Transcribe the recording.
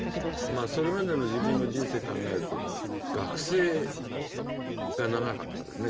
それまでの自分の人生考えると学生が長かったですね。